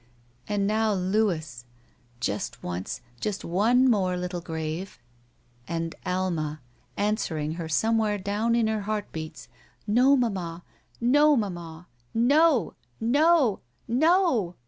And now Louis. Just once. Just one more little grave — And Alma, answering her somewhere down in her heartbeats: "No, mamma. No, mamma! No! No! No!"